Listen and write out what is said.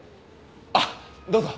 あっどうぞ。